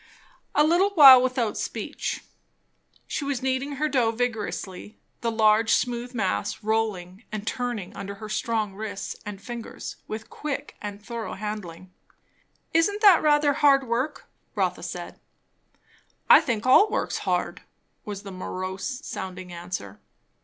A little while without speech. She was kneading her dough vigorously; the large smooth mass rolling and turning under her strong wrists and fingers with quick and thorough handling. "Isn't that rather hard work?" Rotha said. "I think all work's hard," was the morose sounding answer.